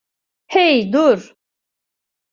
Hey, dur!